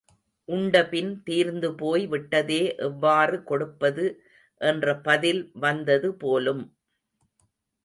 உண்டபின் தீர்ந்துபோய் விட்டதே எவ்வாறு கொடுப்பது என்ற பதில் வந்தது போலும்.